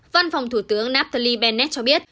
văn phòng thủ tướng nathalie bennett cho biết